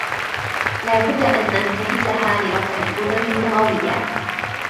لا بدَّ أن أنتهزها لرفع قدري اللّغويّة.